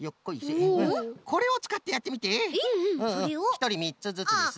ひとりみっつずつです。